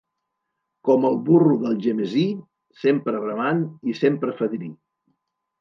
Com el burro d'Algemesí, sempre bramant i sempre fadrí.